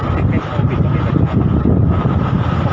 มันเป็นโควิดก็ไม่เป็นปัญหา